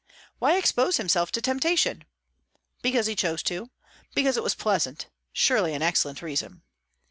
Why expose himself to temptation? Because he chose to; because it was pleasant; surely an excellent reason.